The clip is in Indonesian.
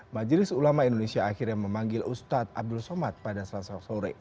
majelis ulama indonesia akhirnya memanggil ustadz abdul somad pada selasa sore